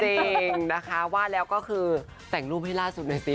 จริงนะคะว่าแล้วก็คือแต่งรูปให้ล่าสุดหน่อยสิ